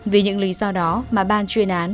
vì những lý do đó mà ban chuyên án